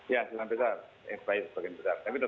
ya sebagian besar